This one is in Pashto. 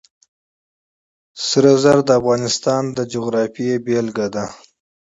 طلا د افغانستان د جغرافیې بېلګه ده.